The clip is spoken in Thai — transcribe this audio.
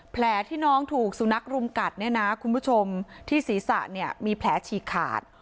แผลที่น้องถูกสุนัขรุมกัดเนี่ยนะคุณผู้ชมที่ศีรษะเนี่ยมีแผลฉีกขาด